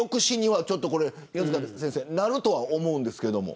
犬塚先生抑止にはなると思うんですけど。